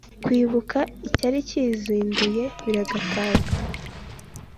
kwibuka icyari kiyizinduye biragatabwa!